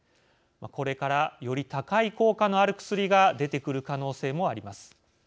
これからより高い効果のある薬が出てくる可能性もあります。